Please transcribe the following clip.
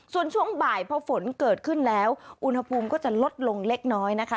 ส่วนช่วงบ่ายพอฝนเกิดขึ้นแล้วอุณหภูมิก็จะลดลงเล็กน้อยนะคะ